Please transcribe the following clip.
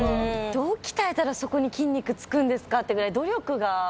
どう鍛えたらそこに筋肉つくんですかってぐらい努力が。